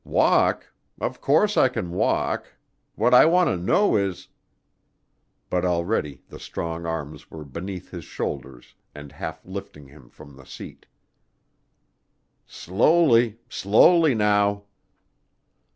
"Walk? Of course I can walk. What I want to know is " But already the strong arms were beneath his shoulders and half lifting him from the seat. "Slowly. Slowly now."